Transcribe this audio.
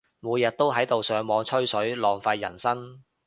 每日都喺度上網吹水，浪費人生